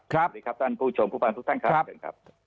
สวัสดีครับท่านผู้ชมผู้ฟังทุกท่านครับเชิญครับ